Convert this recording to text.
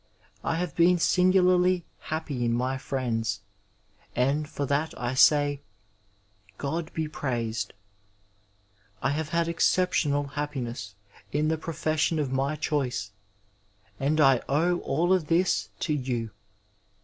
I have been singularly happy in my friends, and for that I say " God be praised." I have had exceptional happiness in the profession of my choice, and I owe all of this to you.